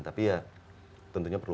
tapi ya tentunya perlu